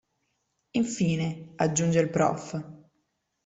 Infine, aggiunge il prof.